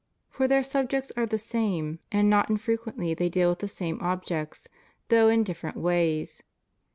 For their subjects are the same, and not HUMAN LIBERTY. 149 infrequently they deal with the same objects, though in different ways.